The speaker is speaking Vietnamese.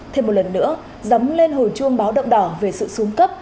thêm một lần nữa giấm lên hồi chuông báo đậm đỏ về sự xuống cấp